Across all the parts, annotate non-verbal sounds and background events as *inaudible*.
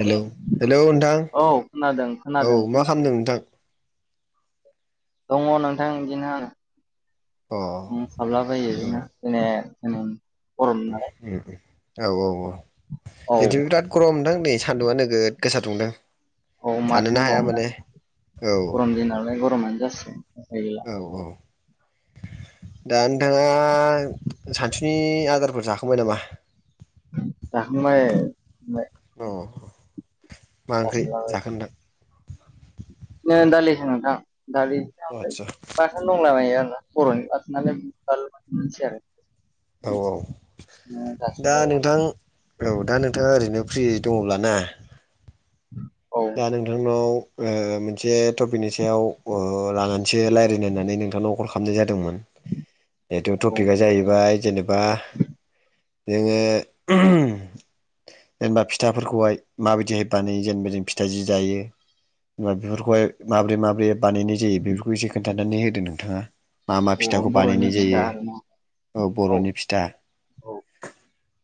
Hello hello औ खोनादों नोंथां औ खोनादों मा खालामदों नोंथां दङ नोंथां बिदिनो अ औ दंसाबलाबायो बिदिनो *unintelligible* नालाय औ औ औ औ दिन्थि' बिराद *unintelligible* गरम नोंथां नै सान्दुआ नोगोद गोसा दुंदों औ माथो थानोनो हाया होनबावनो माने आरो औ गरम दिनालाय गरमानो जासिगोन दायो औ औ दा नोंथांआ सानसुनि आदारखौ जाखांबाय नामा जाखांबाय जाखांबाय अ मा ओंख्रि जासिलाबाय जाखो नोंथां ओ दालिसो नोंथां ओ दालि ओ आदसा दंला बायो आंना बर'नि *unintelligible* आरो औ औ बिदिनो दा जासिबाय नोंथां औ दा नोंथाङा ओरैनो फ्रि दङ'ब्ला ना *inaudible* दा नोंथांनाव ओ मोनसे टपिकनि सायाव ओ लानानैसो रायलायनायनानै नोंथांनाव कल खालामनाय जादोंमोन। बेथ' औ टपिकआ जाहैबाय जेनेबा जोङो *inaudible* जेनेबा फिथाफोरखौहाय माबायदिहाय बानायो जेनेबा जों फिथा जि जायो जेनबा बेफोरखौहाय माबोरै माबोरै बानायनाय जायो बेफोरखौ एसे खोन्थानो होदो नोंथाङा मा मा औ फिथाखौ बर'नि बानायनाय फिथा जायो आरोना औ बर'नि फिथा। औ।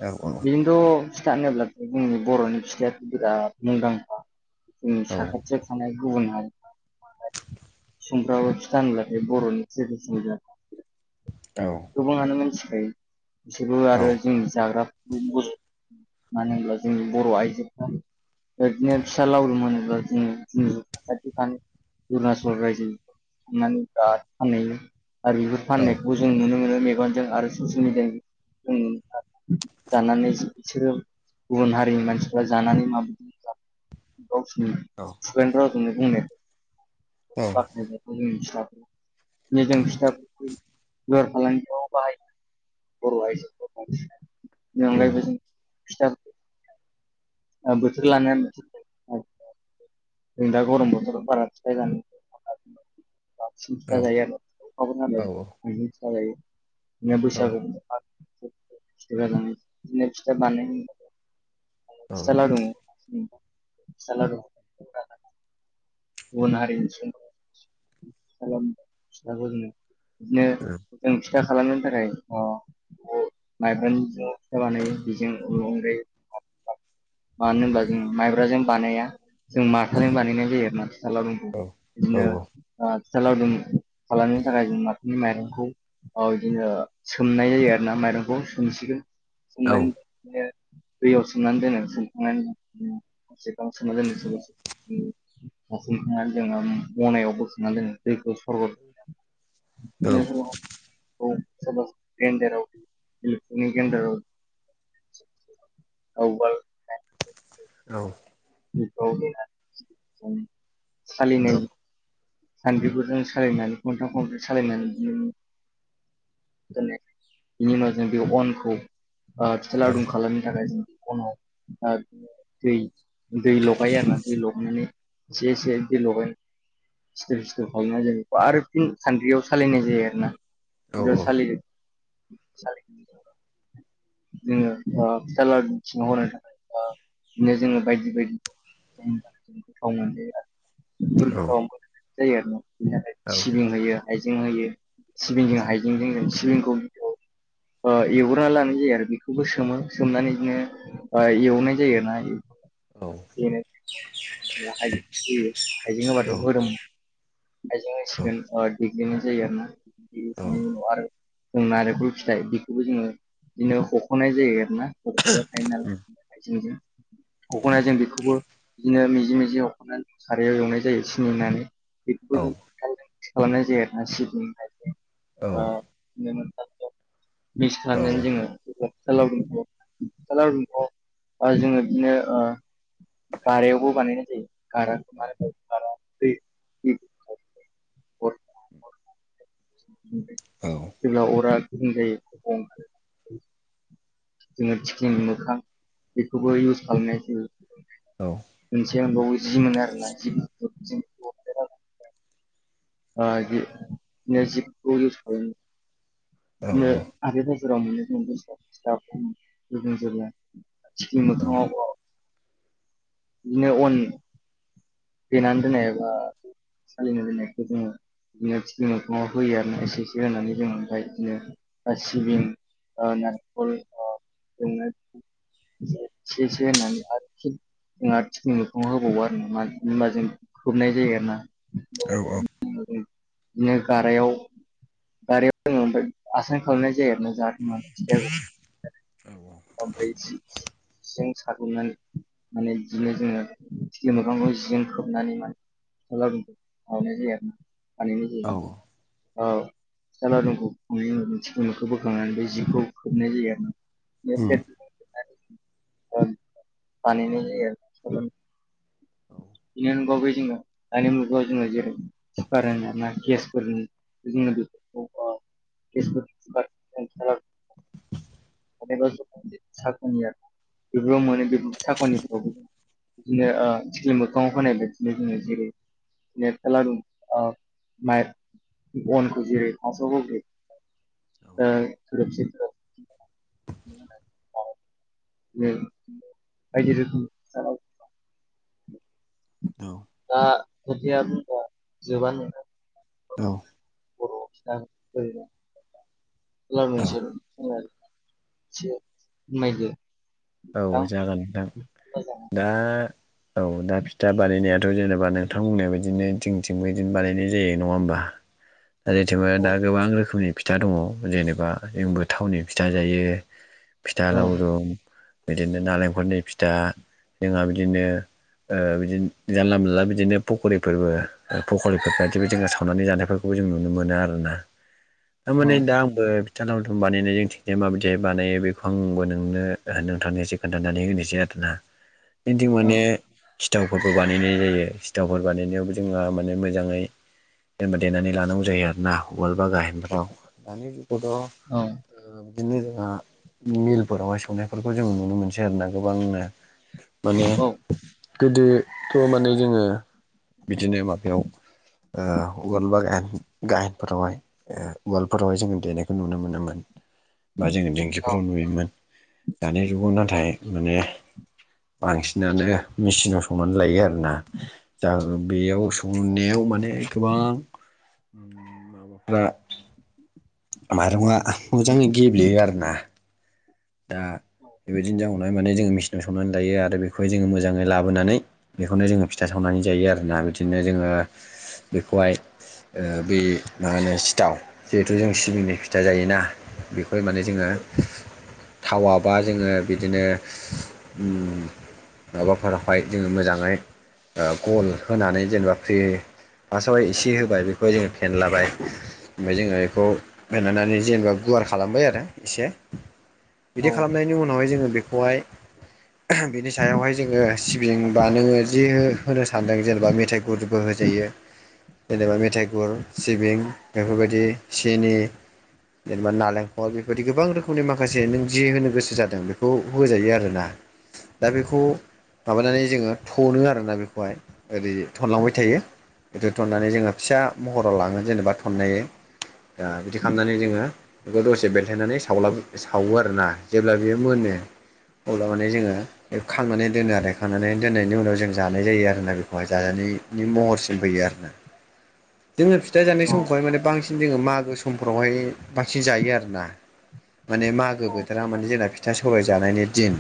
औ औ। खिन्थु फिथा होनोब्लाथ' जोंनि बर'नि फिथायाथ' बिराद मुंदांखा। जोंनि साखाथियाव थानाय गुबुन हारिफ्रा *unintelligible* फिथा होनब्लाथाय बर'नि ट्रेडिसनेल औ। गोबाङानो मिनथिखायो बिसोरबो औ आरो जोंनि जाग्रा *inaudible* मानो होनब्ला जोंनि बर' आइजोफ्रा बिफोर बादिनो फिथा लावदुम होनोबा जोङो जोंनि खाथियाव थानाय अरुणाचल रायजो माने दा फानैयो आरो बेफोर औ फाननायखौ ज जों नुनो मोनो मेगनजों आरो ससेल मेडियाजों *unintelligible* जानानै ज बिसोरो गुबुन हारिनि मानसिफ्रा जानानै माबायदि *unintelligible* गावसिरनि औ। *unintelligible* जोंनि औ फिसा *unintelligible* नो जों फिथा बेफार-फालांगियाव बाहाय बर' आइजो बांसिनानो बेनि उम अनगायैबो जों फिथाखौ ओ बोथोर लानानै बोथोर जों दा गरम बोथोराव बारा फिथाइ जानो *unintelligible* बांसिन औ फिथा जायो आरो *unintelligible* औ जायो बिदिनो औ बैसागुनि *unintelligible* बिदिनो फिथा बानाय *unintelligible* औ फिथा लावदुम *unintelligible* दङ फिथा लावदुम दं गुबुन हारिनि *unintelligible* खालामनांगौ जोङो बिदिनो जों फिथा खालामनो थाखाय अ *unintelligible* मानो होनबा जों माइब्राजों बानाया। जों माथाजों बानायनाय जायो आरो ना फिथा लावदुखौ बिदिनो औ ओ फिथा लावदुम खालामनो थाखाय जों माथानि माइरंखौ औ इदिनो सोमनाय जायो आरो ना माइरंखौ सोमसिगोन सोमनानै बिदनो दैयाव सोमनानै दोन सोंखांनानै *unintelligible* *unintelligible* से गांस म जानोसलिस उम ओ सोमखांनानै जोङो मनायाव बोखांनानै दोनो जोङो दैखौ सर' ए *unintelligible* औ *unintelligible* ग्रेन्डाराव इलेकट्रिनि ग्रेन्डाराव औ उवाल औ। बिफ्राव देनानै *unintelligible* सालिनाय सान्द्रिफोरजों सालिनानै खनथाम खनब्रै सालिनानै बिदिनो *unintelligible* बिनि उनाव जों बे अनखौ ओ फिथा लावदुंम खालामनो थाखाय जों अनाव आरो दै दै लगायो आरोना दै लगायनानै एसेसे दै लगाय सिथोब सिथोब खालामनाय जायो बेखौ आरो फिन खान्द्रियाव सालायनाय जायो आरोना बेयाव सालियो सालि जोङो ओ फिथा लावदुमनि सिङाव हरनाय *unintelligible* बिदिनो जोङो बायदि बायदि *inaudible* गोथाव‌ आरोना। बेफोर *unintelligible* जायो आरोना बिनि सिबिं होयो हाइजें होयो सिबिंजों हाइजें होयो सिबिंखौ *inaudible* ओ एवग्रोना लानाय जायो आरो बेखौबो सोमो सोमनानै इदिनो एवनाय जायो ना औ इदिनो आइजें होयो आइजें हाइजें होबाथाय औ मोदोमो हाइजें औ होसिगोन ओ इदि बिदिनो जायो आरोना बिनि औ उनाव आरो जों नारेंखल फिथाइ बेखौबो जोङो बिदिनो हख'नाय जायो आरोना। हखबाय थायो नालाय आइथिंजों हखनायजों बेखौबो *unintelligible* बिदिनो मिजि मिजि हखनानै सारायाव एवनाय जायो सिनि होनानै बेखौबो जों खालामनाय जायो आरोना सिबिं हाइजें ओ बे मोनथामजों मिक्स खालामनानै जोङो सालाव दुमफाव हालाव दुमफाव आरो जोङो बिदिनो ओ गारायावबो बानायनाय जायो गाराखौ मा होनो? *inaudible* औ जेब्ला अरा गुन्दुं जायो जोङो थिक्लि मोखां बेखौबो इउस खालामनाय जायो। औ मोनसे मोनबावो जि मोनो आरोना जि गुफुरखौ जों ओ इदिनो जि गुफुर इउस खालामो। औ बिदिनो हाथाय बाजाराव *unintelligible* गोदो जेब्ला थिख्लि मोखाङाव अ बिदिनो अन देनानै दोननाय एबा सालिना दोननायखौ जोङो बिदिनो थिख्लि मोखाङाव होयो आरोना एसे एसे होनानै जों ओमफ्राय बिदिनो ओ सिबिं ओ नारेंखलजोंनो *unintelligible* से एसे एसे होनानै आरोखि जोंहा थिख्लि होबावो आरो मानो होनबा जों खोबनाय जायो आरोना। औ औ बिदिनो गारायाव गारायाव जोङो ओमफ्राय आसान खालामनाय जायो आरोना जाहा *unintelligible* माने बिदिनो जोङो थिख्लि मोखांखौ जिजों खोबनानै माने फिथा लावदुम खालामनाय जायो आरोना बानायनाय जायो। औ फिथा लावदुमखौ बोखांनायनि उनाव थिखिलिखौ बोखांनानै बै जिखौ खोबनाय जायो आरोना। उम *unintelligible* बिनि अनगायैबो जोङो दानि मुगायाव जोङो जेबो सिपारेट होननाय गेसफोर जोङो बेफोरखौ *unintelligible* गेसनि कुकारफोरखौ खम खालामनो *unintelligible* माबेबा जों सारनिया *unintelligible* बेफोराव मोनो साकनिखौ बिदिनो थिख्लि ओ मोखाङाव होनाय बायदिनो जोङो जेरै माने फिथा लावदुम ओ माइरं अनखौ जेरै फार्ट होग्रोयो *unintelligible* ओ थोरोबसे थोरोबनै *unintelligible* बायदि रोखोमनि फिथा सावो औ दा खोथाया बुंबा जोबा नङा औ औ नोंथां ओरैनो औ *unintelligible* एसे फोरमायदो औ जागो नोंथां मोजाङै दा औ दा फिथा बानायनायाथ' जेनेबा नोंथांमोननि बिदिनो जोंनिथिंबो बिदिनो बानायनाय जायो नङा होमबा जोंनिथिंबो औ दा गोबां रोखोमनि फिथा दङ जेनेबा जोंबो थाउननि फिथा जायो फिथा औ लावदुम बिदिनो नालेंखलनि फिथा जोंहा बिदिनो ओ बिदिनो जानला मोनला बिदिनो पकरिफोरबो फकरिफोर बादिबो जोङो सावनानै जानायफोरखौ बेखौ जों नुनो मोनो आरोना औ थारमाने दा आंबो फिथा लथुम बानायनाय जोंनिथिजाय माबायदिहाय बानायो बेखौ आंबो नोंनो होनो खोन्थनोसै खोन्थानानै होनोसै आरोना जोंनिथिं औ माने सिथावफोरबो बानायनाय जायो सिथावफोर बानायनायावबो जोंहा माने मोजाङै जेनेबा देनानै लानांगौ जायो आरो ना वाल बा गाहेनफ्राव दानि जुगावथ' औ बिदिनो जोंहा मिलफोरावहाय संनायफोरखौ खौ जों नुनो मोनसै आरोना गोबांनो माने औ गोदोथ' माने जोङो बिदिनो माबायाव ओ वालबा गा गायेनफोरावहाय ओ वालफोरावहाय जोङो देनायखौ नुनो मोनोमोन बा जोङो दिंखिफोराव नुयोमोन दानि जुगाव नाथाय माने बांसिनानो मेचिनाव सौनानै लायो आरोना जा बेयाव सौनायाव माने गोबां माबाफ्रा माइरं मोजाङै गेब्लेयो आरो ना दा बेबायदिनो *unintelligible* माने जोङो मेचनाव संनानै लायो आरो बेखौहाय जोङो मोजाङै लाबोनानै बेखौनो जोङो फिथा सावनानै जायो आरोना बिदिनो जोङो बेखौहाय ओ बे मा होनो सिथाव जिहेथु जों सिबिंनि फिथा जायोना बेखौहाय माने जोङो थावाबा जोङो बिदिनो उम माबाफोरावहाय जोङो मोजाङै गल होनानै जेनेबा फ्रि फासावाय एसे होबाय बेखौहाय जोङो फेनलाबाय ओमफ्राय जोङो बेखौ बनानै जेनेबा गुवार खालामबाय आरो एसे औ बिदि खालामनायनि उनावहाय जोङो बेखौहाय बिनि सायावहाय जोङो सि बिं बा नोङो जि होनो सानदों जेनेबा मेथाइ गुरबो होजायो जेनेबा मेथाइ गुर सिबिं बेफोरबायदि सिनि जेनेबा नालेंखल बेबायदि गोबां रोखोमनि माखासे नों जि होनो गोसो जादों बेखौ होजायो आरोना दा बेखौ माबानानै जोङो थनो आरोना बेखौहाय ओरै थनलांबाय थायो दोथननानै जोङो फिसा महराव लाङो जेनेबा थननायै दा बिदि खालामनानै जोङो बेखौ दसे बेलथायनानै सावला सावो आरो आरोना जेब्ला बियो मोनो अब्ला माने जोङो बेखौ खांनानै दोनो आरो खांनानै दोननायनि उनाव जों जानाय जायो आरोना बेखौहाय जाजानायनि महरसिम फैयो आरो ना जोङो फिथा जानाय समखौहाय माने बांसिन जोङो मागो सम समफ्रावहाय बांसिन जायो आरोना माने मागो बोथोरा माने जोंना फिथा सौराय जानायनि दिन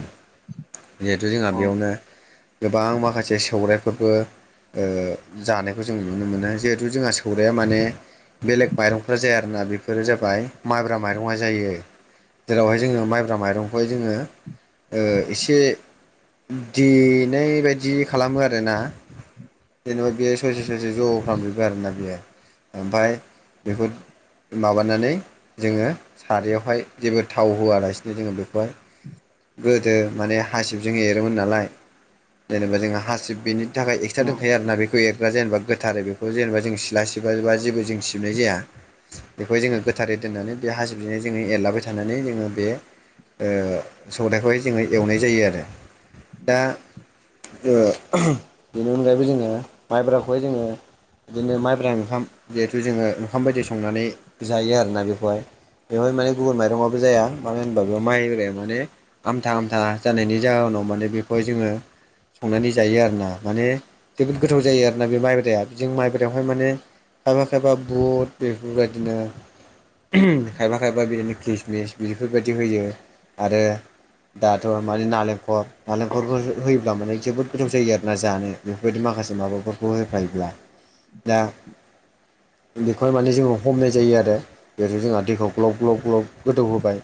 जिहेथु जोंहा बेयावनो गोबां माखासे सौरायफोरबो ओ जानायखौ जों नुनो मोनो जिहेथु जोंहा सौराया माने बेलेग माइरंफ्रा जाया आरोना बेफोरो जाबाय माइब्रा माइरंआ जायो जेरावहाय जोङो माइब्रा माइरंखौहाय जोङो एसे देनाय बायदि खालामो आरोना जेनेबा बेयो ससे ससे ज' खालामजोबो आरोना बेयो ओमफ्राय बेखौ माबानानै जोङो सारयावहाय जेबो थाव होआलासिनो जोङो बेखौहाय गोदो माने हासिबजों एरोमोन नालाय जेनेबा जोंङो हासिब बिनि नि थाखाय एक्सट्रा दोंखायो आरो ना बेखौ एर सिबग्रा जेनेबा गोथारै बेखौ जेनेबा जों सिला सिब बा जेबो जों सिबनाय जाया बेखौ जोङो गोथारै दोन्नानै बे हासिबजोंनो जोङो एरलाबाय थानानै जोङो बे ओ सौरायखौहाय जोङो एवनाय जायो आरो दा ओ बेनि अनगायैबो जोङो माइब्राखौहाय जोङो बिदिनो माइब्रा ओंखाम जिहेथु जोङो ओंखाम बायदि संनानै जायो आरोना बेखौहाय बेहाय माने गुबुन मा रङाबो जाया मानो होनबा बेयाव माइब्राया माने आमथा आमथा जानायनि जाहनाव माने बेखौहाय जोङो संनानै जायो आरोना माने जोबोद गोथाव जायो आरोना बे माइब्राया जों माइब्रायावहाय माने खायफा खायफा बुट बेफोरबायदिनो खायफा खायफा बिदिनो किस मिस बेफोरबायदि होयो आरो दाथ' माने नालेंखर नालेंखलबो होयोब्ला माने जोबोद गोथाव जायो आरोना जानो बेफोरबायदि माखासे माबाफोरखौ होफायोब्ला दा बेखौहाय माने जोङो हमनाय जायो आरो जिहेथु जोंहा दैखौ ग्लब ग्लब ग्लब गोदौ होबाय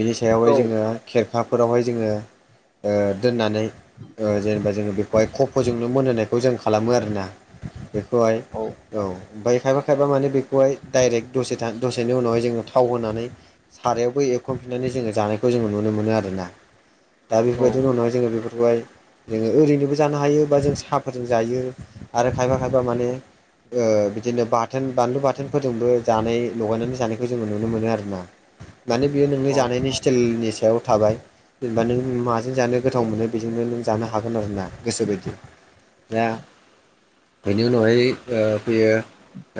बिनि सायावहाय जोङो खेरखाफोरावहाय जोङो ओ दोननानै ओ जेनेबा जोङो बेखौहाय खफ'जोंनो मोनहोनायखौ जों खालामो आरोना बेखौहाय औ ओमफाय खायफा खायबा माने बेखौहाय डाइरेक्ट दसे था दसेनि उनावहाय जोङो थाव होनानै सारायावबो एवखांफिननानै जोङो जानायखौ जोङो नुनो मोनो आरो ना दा औ बेफोरबायदिनो उनाव जोङो बेफोरखौहाय जोङो ओरैनोबो जानो हायो बा जों साहाफोरजों जायो आरो खायफा खायफा माने ओ बिदिनो बाथोन बानलु बाथोनफोरजोंबो जानाय लगायनानै जानायखौ जोङो नुनो मोनो आरो ना माने बियो नोंनि औ जानायनि स्टाइलनि सायाव थाबाय जेनेबा नों माजों जानो गोथाव मोनो बेजोंनो नों जानो हागोन आरो ना गोसो बायदि दा बेनि उनावहाय ओ फैयो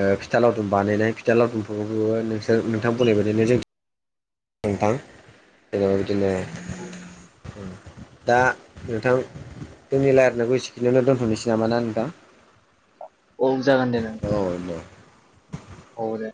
ओ फिथा लावदुम बानायनाय फिथा लावदुम फोरखौबो नोंसोर नोंथां बुंनायबायदिनो जों नोंथां *unintelligible* बिदिनो *unintelligible* दा नोंथां जोंनि रालायनायखौ एसेखियावनो दोन्थ'नोसै नामा ना नोंथां औ जागोन दे नों औ दे औ दे